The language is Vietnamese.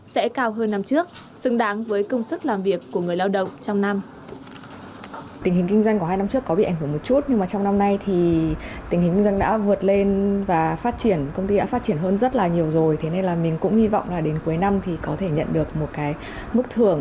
sẽ cao hơn năm trước xứng đáng với công sức làm việc của người lao động trong năm